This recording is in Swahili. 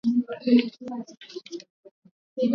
wa Tanzania nchini Uingereza iliyofanyika Jijini Dar es Salaam